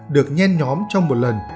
được nhen nhóm trong một lần